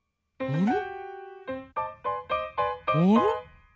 うん。